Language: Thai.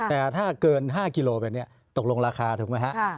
แต่ถ้าเกิน๕กิโลแบบนี้ตกลงราคาถูกไหมฮะ